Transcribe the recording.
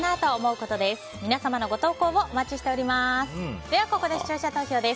ここで視聴者投票です。